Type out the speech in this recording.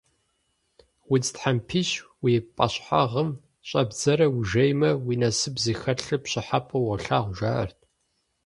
Удз тхьэмпищ уи пӀащхьэгъым щӀэбдзрэ ужеймэ, уи насып зыхэлъыр пщӀыхьэпӀэу уолъагъу, жаӀэрт.